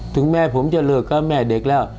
ถึงแม้ผมจะเลิกกับแม่เด็กแล้ว